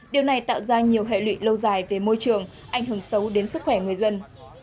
điều này tạo ra nhiều hệ lụy lâu dài về môi trường ảnh hưởng xấu đến sức khỏe người dân